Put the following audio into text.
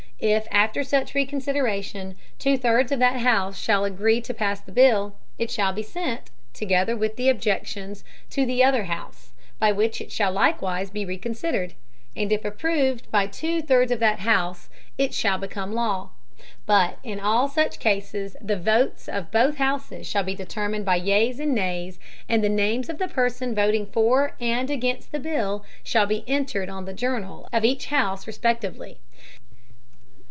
If after such Reconsideration two thirds of that House shall agree to pass the Bill, it shall be sent, together with the Objections, to the other House, by which it shall likewise be reconsidered, and if approved by two thirds of that House, it shall become a Law. But in all such Cases the Votes of both Houses shall be determined by yeas and Nays, and the Names of the Persons voting for and against the Bill shall be entered on the Journal of each House respectively.